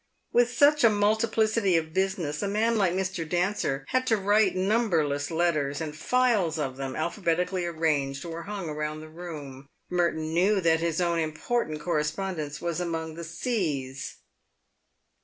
"With such a multiplicity of business, a man like Mr. Dancer had to write numberless letters, and files of them, alphabetically arranged, were hung round the room. Merton knew that his own important correspondence was among the " C " s.